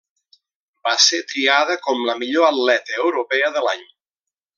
Va ser triada com la millor atleta europea de l'any.